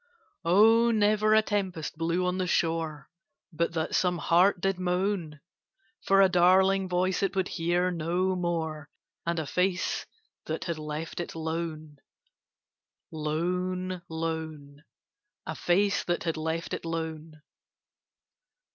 Oh! never a tempest blew on the shore But that some heart did moan For a darling voice it would hear no more And a face that had left it lone, lone, lone A face that had left it lone!